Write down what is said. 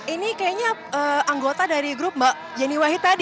ini kayaknya anggota dari grup mbak yeni wahid tadi